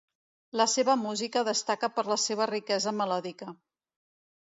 La seva música destaca per la seva riquesa melòdica.